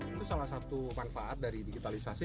itu salah satu manfaat dari digitalisasi